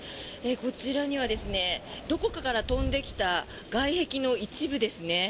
こちらにはどこかから飛んできた外壁の一部ですね。